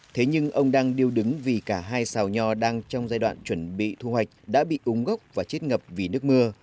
thế nhưng ông đang điêu đứng vì cả hai xào nho đang trong giai đoạn chuẩn bị thu hoạch đã bị úng gốc và chết ngập vì nước mưa